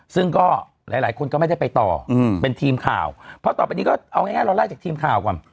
ซึ่งก็หลายหลายคนก็ไม่ได้ไปต่อเป็นทีมข่าวเพราะต่อไปนี้ก็เอาง่ายเราไล่จากทีมข่าวก่อน